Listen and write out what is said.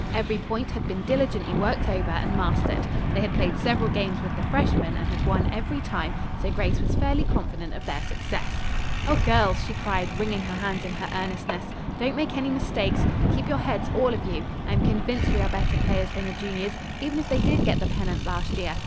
Every point had been diligently worked over and mastered. They had played several games with the freshmen and had won every time, so Grace was fairly confident of their success. "Oh, girls," she cried, wringing her hands in her earnestness, "don't make any mistakes. Keep your heads, all of you. I am convinced we are better players than the juniors, even if they did get the pennant last year.